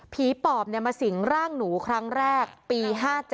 ปอบมาสิงร่างหนูครั้งแรกปี๕๗